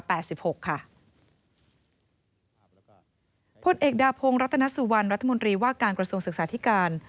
ผลเอกดาพงศ์รัตนสุวรรณรัฐมนตรีว่าการกระทรวงศึกษาธิการ